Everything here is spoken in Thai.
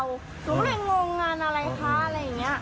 รู้ไหมงงงานอะไรค่ะอะไรอย่างนี้